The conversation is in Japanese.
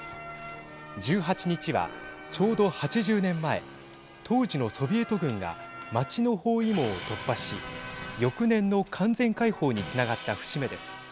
１８日は、ちょうど８０年前当時のソビエト軍が街の包囲網を突破し翌年の完全解放につながった節目です。